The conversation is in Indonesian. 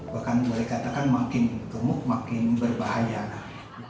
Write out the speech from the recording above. bahkan boleh dikatakan makin gemuk makin berbahaya anak